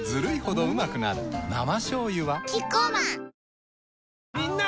生しょうゆはキッコーマンみんな！